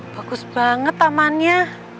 bagus banget tamannya